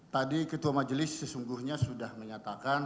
tadi ketua majelis sesungguhnya sudah menyatakan